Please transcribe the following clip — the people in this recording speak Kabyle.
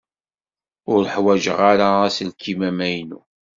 Ur ḥwajeɣ ara aselkim amaynu.